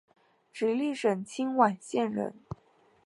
直隶省清苑县人。